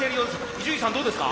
伊集院さんどうですか？